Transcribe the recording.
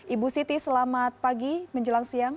ibu siti selamat pagi menjelang siang